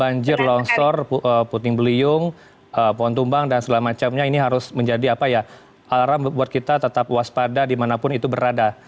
banjir longsor puting beliung pohon tumbang dan semacamannya ini harus menjadi apa ya alarm buat kita tetap waspada di manapun itu berada